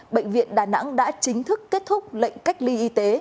bệnh viện đà nẵng đã chính thức kết thúc lệnh cách ly y tế